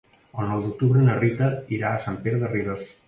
El nou d'octubre na Rita irà a Sant Pere de Ribes.